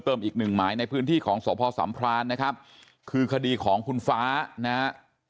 อีกหนึ่งหมายในพื้นที่ของสพสัมพรานนะครับคือคดีของคุณฟ้านะฮะ